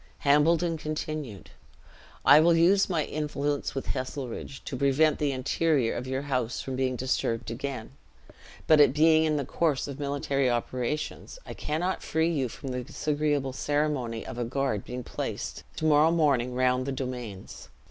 Hambledon continued, "I will use my influence with Heselrigge, to prevent the interior of your house from being disturbed again; but it being in the course of military operations, I cannot free you from the disagreeable ceremony of a guard being placed to morrow morning round the domains.